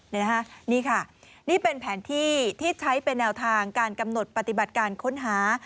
นี่นะคะนี่ค่ะนี่เป็นแผนที่ที่ใช้เป็นแนวทางการกำหนดปฏิบัติการค้นหา